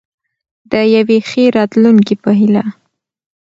د یوې ښې راتلونکې په هیله.